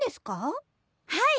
はい！